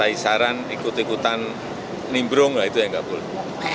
yang nimbrung lah itu yang gak boleh